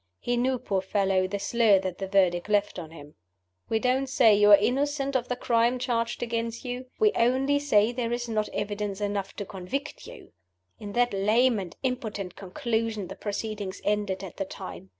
He knew, poor fellow, the slur that the Verdict left on him. "We don't say you are innocent of the crime charged against you; we only say there is not evidence enough to convict you." In that lame and impotent conclusion the proceedings ended at the time.